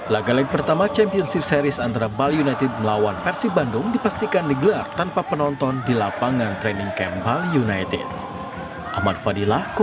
laga lag pertama championship series antara bali united melawan persib bandung dipastikan digelar tanpa penonton di lapangan training camp bali united